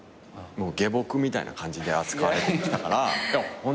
下僕みたいな感じで扱われてきたから。